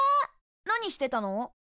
何してたの？